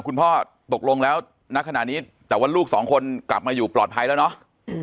คุณพ่อตกลงแล้วณขณะนี้แต่ว่าลูกสองคนกลับมาอยู่ปลอดภัยแล้วเนาะ